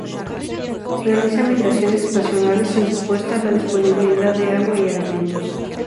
Realiza migraciones estacionales en respuesta a la disponibilidad de agua y alimentos.